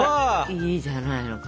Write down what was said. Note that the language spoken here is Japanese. いいじゃないのか？